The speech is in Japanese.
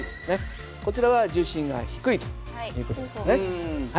こちらは重心が低いという事ですね。